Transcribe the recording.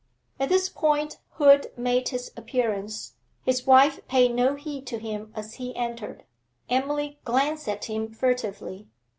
At this point Hood made his appearance. His wife paid no heed to him as he entered; Emily glanced at him furtively.